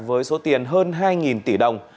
với số tiền hơn hai tỷ đồng